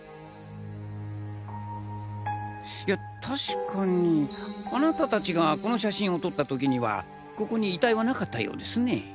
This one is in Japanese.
いや確かにあなた達がこの写真を撮った時にはここに遺体はなかったようですね。